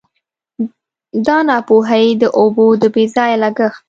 دا ناپوهي د اوبو د بې ځایه لګښت.